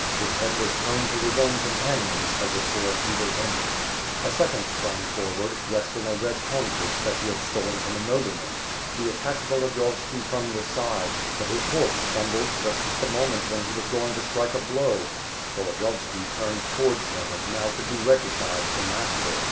His head was turned to his own companions, as if for an evil omen. A second sprang forward, dressed in a red Kontush that he had stolen from a nobleman. He attacked Volodiyovski from the side, but his horse stumbled just at the moment 382 WITH FIRE AND SWOBD. 383 when he was going to strike a blow. Volodiyovski turned towards him and now could be recognized the master.